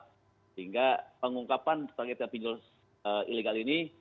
sehingga pengungkapan targetnya pinjol ilegal ini